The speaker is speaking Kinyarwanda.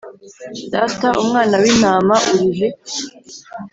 ‘‘ Data … umwana w’intama urihe